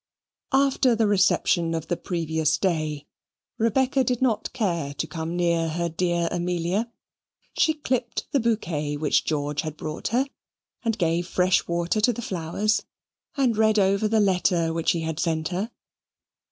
After the reception of the previous day, Rebecca did not care to come near her dear Amelia. She clipped the bouquet which George had brought her, and gave fresh water to the flowers, and read over the letter which he had sent her.